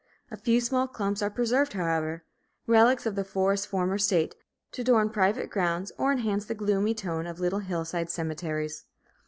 A few small clumps are preserved, however, relics of the forest's former state, to adorn private grounds or enhance the gloomy tone of little hillside cemeteries.